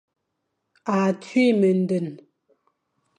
A tui mendene.